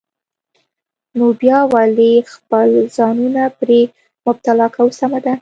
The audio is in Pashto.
نو بیا ولې خپل ځانونه پرې مبتلا کوو؟ سمه ده.